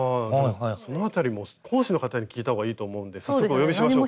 その辺りも講師の方に聞いたほうがいいと思うんで早速お呼びしましょうか。